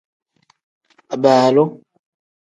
Abaalu.